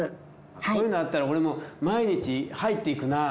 こういうのあったら俺毎日入っていくなぁ。